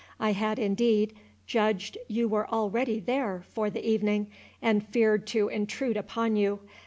"I had, indeed, judged you were already there for the evening, and feared to intrude upon you.